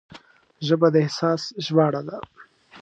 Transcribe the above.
ژبه د احساس ژباړه ده